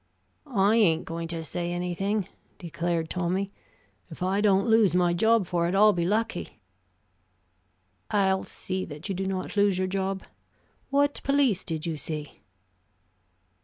"I ain't going to say anything," declared Tommy. "If I don't lose my job for it, I'll be lucky." "I'll see that you do not lose your job. What police did you see?"